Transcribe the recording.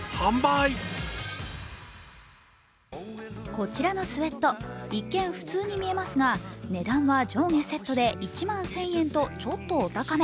こちらのスエット、一見普通に見えますが、値段は上下セットで１万１０００円とちょっとお高め。